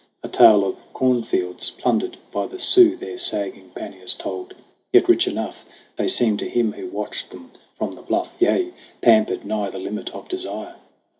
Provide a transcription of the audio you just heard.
A tale of cornfields plundered by the Sioux Their sagging panniers told. Yet rich enough They seemed to him who watched them from the bluff; Yea, pampered nigh the limit of desire